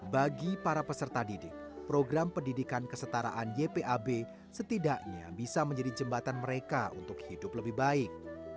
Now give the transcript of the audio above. bagi para peserta didik program pendidikan kesetaraan ypab setidaknya bisa menjadi jembatan mereka untuk hidup lebih baik